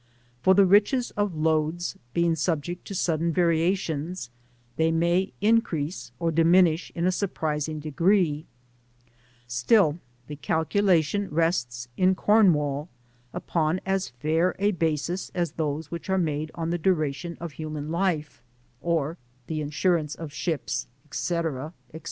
For the riches of lodes being subject to sudden variations, they may in crease or diminish in a surprising degree ; still the calculation rests in Cornwall upon as fair a basis as those which are made on the duration of human life, or the insurance of ships, &c. &c.